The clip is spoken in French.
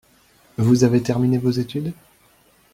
Vous avez terminé vos études ?